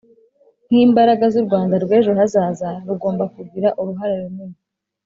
nk'imbaraga z'u rwanda rw'ejo hazaza rugomba kugira uruhare runini